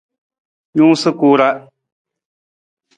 Nuusa ku ra.